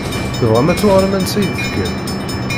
Tebɣam ad tuɣalem ansa i d-tekkam?